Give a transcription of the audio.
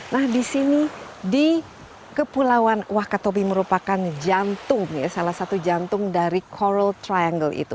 nah di sini di kepulauan wakatobi merupakan jantung ya salah satu jantung dari coral triangle itu